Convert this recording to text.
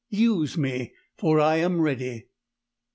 Use me, for I am ready!"